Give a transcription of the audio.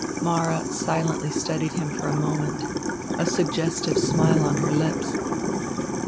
Mara silently studied him for a moment, a suggestive smile on her lips.